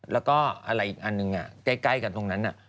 แล้วก็อะไรอีกอันหนึ่งใกล้กันตรงนั้น